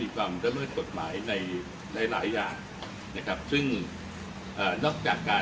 อีกครับนิวชีไม่เยี่ยมรับตัดประวัติของแบบใหม่ใคร